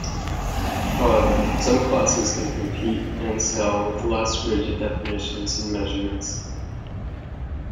However, some classes can compete and sail with less rigid definitions and measurements.